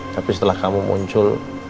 tapi setelah kamu muncul